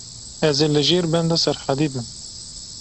Ez ê li jêr li benda Serhedî bim.